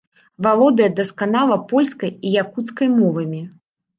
Валодае дасканала польскай і якуцкай мовамі.